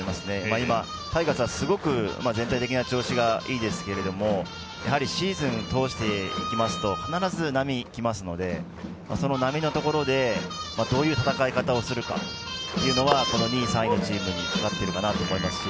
今タイガースは全体的な調子がいいですけどシーズン通していきますと必ず波がきますのでその波のところでどういう戦い方をするかというのは２位３位のチームにかかってるかなと思いますし。